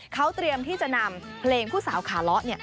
เขาเตรียมที่จะนำเพลงผู้สาวขาเลาะ